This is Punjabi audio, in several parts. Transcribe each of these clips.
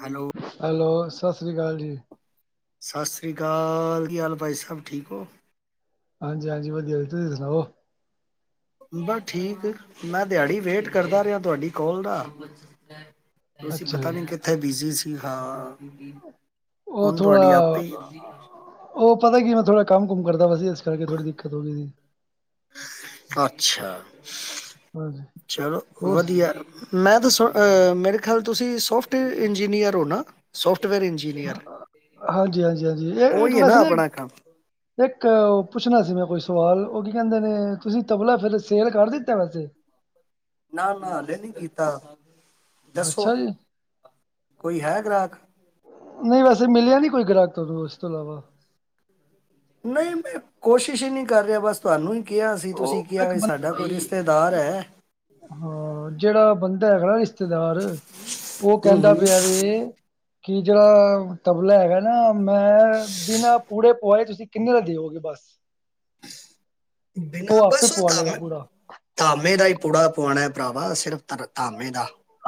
ਹੈਲੋ ਹੈਲੋ ਸਤਿ ਸ਼੍ਰੀ ਅਕਾਲ ਜੀ। ਸਤਿ ਸ਼੍ਰੀ ਅਕਾਲ ਕੀ ਹਾਲ ਭਾਈ ਸਾਬ ਠੀਕ ਹੋ। ਹਾਂਜੀ- ਹਾਂਜੀ ਵਧੀਆ ਜੀ ਤੁਸੀਂ ਸੁਣਾਓ। ਬਸ ਠੀਕ ਮੈਂ ਦਿਹਾੜੀ ਵੇਟ ਕਰਦਾ ਰਿਹਾ ਤੁਹਾਡੀ ਕੋਲ ਦਾ ਤੁਸੀਂ ਅੱਛਾ ਪਤਾ ਜੀ, ਨਹੀਂ ਕਿੱਥੇ ਬਿਜੀ ਸੀ ਹਾਂ। ਉਹ ਹੁਣ ਥੋੜਾ ਤੁਹਾਡੀ ਆਪੇ ਉਹ ਪਤਾ ਕੀ ਮੈਂ ਥੋੜਾ ਕੰਮ ਕੁਮ ਕਰਦਾ ਪਿਆ ਸੀ ਇਸ ਕਰਕੇ ਥੋੜ੍ਹੀ ਦਿੱਕਤ ਹੋ ਗਈ ਸੀ। ਅੱਛਾ ਹਾਂਜੀ, ਚਲੋ ਹੋਰ ਵਧੀਆ ਮੈਂ ਤਾਂ ਮੇਰੇ ਖਿਆਲ ਤੁਸੀਂ ਸੋਫਟਵੇਅਰ ਇੰਜੀਨੀਅਰ ਹੋ ਨਾ ਸੋਫਟਵੇਅਰ ਇੰਜੀਨੀਅਰ ਹਾਂਜੀ-ਹਾਂਜੀ-ਹਾਂਜੀ ਇਹ ਇੱਕ ਉਹੀ ਹੈ ਵੈਸੇ ਨਾ ਇਕ ਆਪਣਾ ਕੰਮ ਇੱਕ ਪੁੱਛਣਾ ਸੀ ਮੈਂ ਕੋਈ ਸਵਾਲ ਉਹ ਕੀ ਕਹਿੰਦੇ ਨੇ ਤੁਸੀਂ ਤਬਲਾ ਫੇਰ ਸੇਲ ਕਰ ਦਿੱਤਾ ਵੈਸੇ ਨਾ -ਨਾ ਨੀ ਕੀਤਾ ਦੱਸੋ ਅੱਛਾ ਜੀ, ਕੋਈ ਹੈ ਗ੍ਰਾਹਕ ਨਹੀਂ ਵੈਸੇ ਮਿਲਿਆ ਨਹੀਂ ਕੋਈ ਗ੍ਰਾਹਕ ਤੁਹਾਨੂੰ ਇਸ ਤੋਂ ਇਲਾਵਾ ਨਹੀਂ ਮੈਂ ਕੋਸ਼ਿਸ਼ ਹੀ ਨਹੀਂ ਕਰ ਰਿਹਾ ਬਸ ਤੁਹਾਨੂੰ ਹੀ ਕਿਹਾ ਸੀ ਤੁਸੀਂ ਉਹ ਕਿਹਾ ਇੱਕ ਵੀ ਸਾਡੇ ਸਾਡਾ ਬੰਦਾ ਕੋਈ ਰਿਸ਼ਤੇਦਾਰ ਹੈ। ਹਾਂ ਜਿਹੜਾ ਬੰਦਾ ਹੈਗਾ ਨਾ ਰਿਸ਼ਤੇਦਾਰ ਉਹ ਹੂੰ ਕਹਿੰਦਾ ਹੂੰ ਪਿਆ ਵੈ ਕਿ ਜਿਹੜਾ ਤਬਲਾ ਹੈਗਾ ਨਾ ਮੈਂ ਬਿਨਾਂ ਪੂੜੇ ਪੁਆਏ ਤੁਸੀਂ ਕਿੰਨੇ ਦਾ ਦਿਉਗੇ ਬਸ ਬਿਨਾਂ ਆਪੇ ਬਸ ਉਹ ਪਵਾ ਲਏਗਾ ਤਾਮੇ ਪੂਰਾ ਧਾਮੇ ਦਾ ਹੀ ਪੂੜਾ ਪੁਆਣਾ ਭਰਾਵਾ ਸਿਰਫ ਧਾਮੇ ਦਾ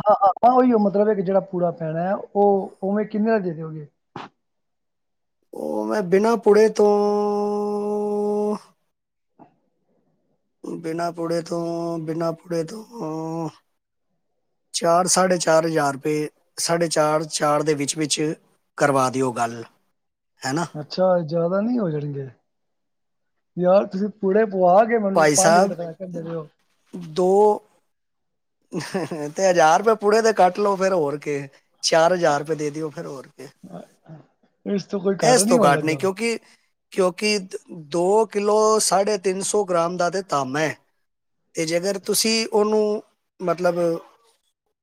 ਹਾਂ -ਹਾਂ ਉਹੀ ਉਹ ਮਤਲਬ ਜਿਹੜਾ ਪੂੜਾ ਪੈਣਾ ਹੈ ਉਹ ਉਵੇਂ ਕਿੰਨੇ ਦਾ ਦੇ ਦਿਓਗੇ। ਉਹ ਮੈਂ ਬਿਨਾਂ ਪੁੜੇ ਤੋਂ ਬਿਨਾਂ ਪੁੜੇ ਤੋਂ-ਬਿਨਾਂ ਪੁੜੇ ਤੋਂ ਆਂ ਚਾਰ ਸਾਢੇ ਚਾਰ ਹਜ਼ਾਰ ਰੁਪਏ ਸਾਢੇ ਚਾਰ ਚਾਰ ਦੇ ਵਿੱਚ-ਵਿੱਚ ਕਰਵਾ ਦਿਓ ਗੱਲ ਹੈਨਾ। ਅੱਛਾ ਜਿਆਦਾ ਨਹੀਂ ਹੋ ਜਾਣਗੇ ਯਾਰ ਤੁਸੀ ਪੂੜੇ ਪੁਆ ਕੇ ਮੈਨੂੰ ਭਾਈ ਪੰਜ ਸਾਹਿਬ ਤਕਣ ਕਰ ਕੇ ਦਿਓ। ਦੋ [inaudible] ਤੇ ਹਜ਼ਾਰ ਰੁਪਏ ਪੁੂੜੇ ਤੇ ਕੱਟ ਲੋ ਫੇਰ ਹੋਰ ਕੀ ਏ। ਚਾਰ ਹਜ਼ਾਰ ਰੁਪਏ ਦੇ ਦਿਓ ਫਿਰ ਹੋਰ ਕੇ ਇਸ ਤੋਂ ਕੋਈ ਇਸ ਤੋਂ ਹੋਣ ਘੱਟ ਨਹੀਂ ਲੱਗਾ ਕਿਉਂਕਿ ਕਿਉਂਕਿ ਦੋ ਕਿਲੋ ਸਾਢੇ ਤਿੰਨ ਸੌ ਗ੍ਰਾਮ ਦਾ ਤੇ ਤਾਂਬਾ ਹੈ। ਤੇ ਜੇਕਰ ਤੁਸੀਂ ਉਹਨੂੰ ਮਤਲਬ